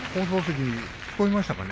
聞こえましたかね？